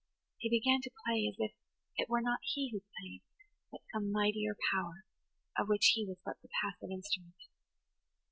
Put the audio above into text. He began to play as if it were not he who played, but some mightier power, of which he was but the passive instrument.